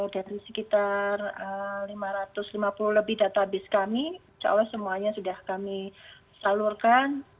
dari sekitar lima ratus lima puluh lebih database kami insya allah semuanya sudah kami salurkan